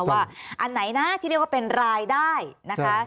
ว่าอันไหนนะที่เรียกว่าเป็นรายได้นะคะ